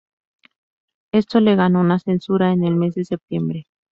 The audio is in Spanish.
Esto le ganó una censura en el mes de septiembre.